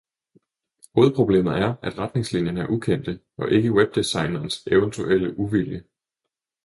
Hovedproblemet er, at retningslinjerne er ukendte, og ikke webdesigneres eventuelle uvilje.